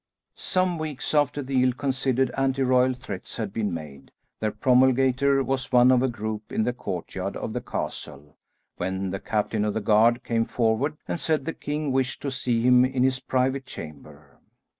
Some weeks after the ill considered anti royal threats had been made, their promulgator was one of a group in the courtyard of the castle, when the captain of the guard came forward and said the king wished to see him in his private chamber.